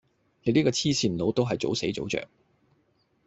你呢個黐線佬都係早死早著